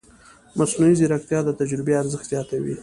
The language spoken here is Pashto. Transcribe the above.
مصنوعي ځیرکتیا د تجربې ارزښت زیاتوي.